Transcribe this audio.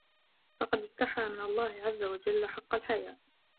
فَقَدْ اسْتَحَى مِنْ اللَّهِ عَزَّ وَجَلَّ حَقَّ الْحَيَاءِ